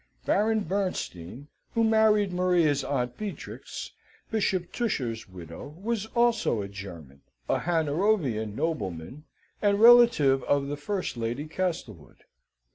Baron Bernstein, who married Maria's Aunt Beatrix, Bishop Tusher's widow, was also a German, a Hanoverian nobleman, and relative of the first Lady Castlewood.